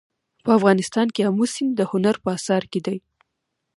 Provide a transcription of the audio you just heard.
په افغانستان کې آمو سیند د هنر په اثار کې دی.